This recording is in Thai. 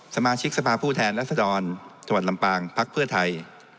สมาชิกสภาพผู้แทนรัศดรจังหวัดลำปางพักเพื่อไทย